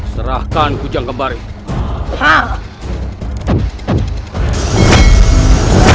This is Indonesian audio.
serahkan kujang gembar itu